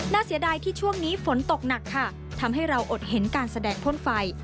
เสียดายที่ช่วงนี้ฝนตกหนักค่ะทำให้เราอดเห็นการแสดงพ่นไฟ